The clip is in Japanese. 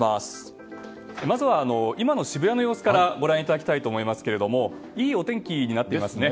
まずは今の渋谷の様子からご覧いただきたいと思いますがいいお天気になっていますよね。